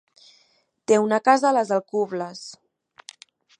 Té una casa a les Alcubles.